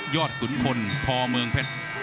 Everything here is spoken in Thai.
ยอดขุนคนพเมืองเพชร